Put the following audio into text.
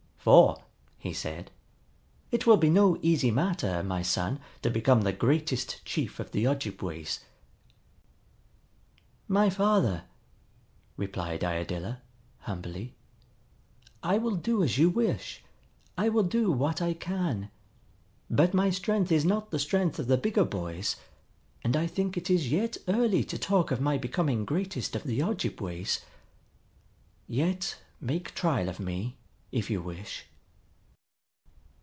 "For," he said, "it will be no easy matter, my son, to become the greatest chief of the Ojibways." "My father," replied Iadilla, humbly, "I will do as you wish. I will do what I can. But my strength is not the strength of the bigger boys; and I think it is yet early to talk of my becoming greatest of the Ojibways. Yet make trial of me, if you wish."